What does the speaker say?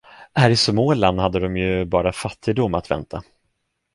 Här i Småland hade de ju bara fattigdom att vänta.